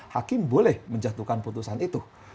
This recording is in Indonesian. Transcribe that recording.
hakim boleh menjatuhkan putusan itu